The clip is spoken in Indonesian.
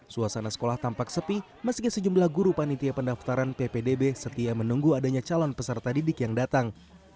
suasana sekolah tampak sepi meski sejumlah guru panitia pendaftaran ppdb setia menunggu adanya calon peserta didik yang datang